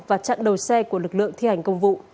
và chặn đầu xe của lực lượng thi hành công vụ